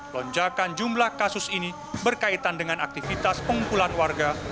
lonjakan jumlah kasus ini berkaitan dengan aktivitas pengumpulan warga